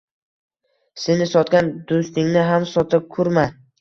Seni sotgan dustingni ham sota kurma